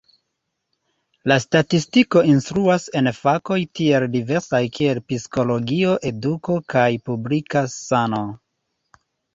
La statistiko instruas en fakoj tiel diversaj kiel psikologio, eduko kaj publika sano.